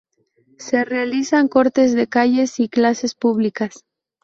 Se realizan cortes de calles y clases públicas.